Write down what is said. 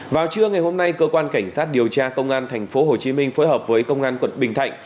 vào trưa ngày hôm nay cơ quan cảnh sát điều tra công an tp hcm phối hợp với công an quận bình thạnh